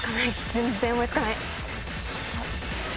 全然思い付かない。